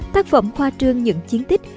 tác phẩm khoa trương những chiến tích